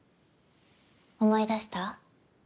思い出した？